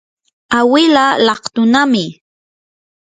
awilaa laqtunami.